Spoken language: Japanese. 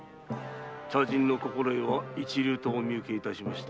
茶人の心得は一流とお見受け致しました。